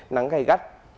nắng gây gắt